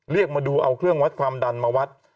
เรียกมาดูเอาเครื่องวัดความดันมาวัด